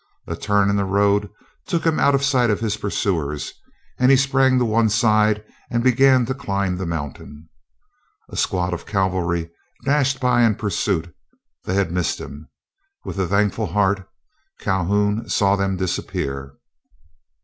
A turn in the road took him out of sight of his pursuers, and he sprang to one side and began to climb the mountain. A squad of cavalry dashed by in pursuit; they had missed him. With a thankful heart Calhoun saw them disappear.